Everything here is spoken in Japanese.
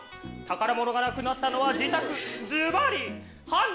宝物がなくなったのは自宅。